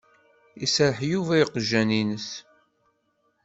Iserreḥ Yuba i yiqjan-ines.